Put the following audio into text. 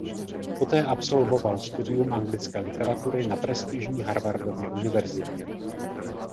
Poté absolvoval studium anglické literatury na prestižní Harvardově univerzitě.